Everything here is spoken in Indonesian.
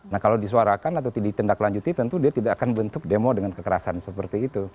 nah kalau disuarakan atau ditindaklanjuti tentu dia tidak akan bentuk demo dengan kekerasan seperti itu